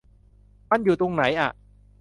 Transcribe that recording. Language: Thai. มันอยู่ตรงไหนอ่ะ